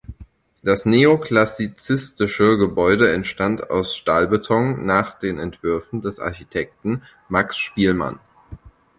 Das neoklassizistische Gebäude entstand aus Stahlbeton nach den Entwürfen des Architekten Max Spielmann.